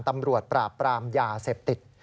ตำรวจปราบปรามยาเสพติด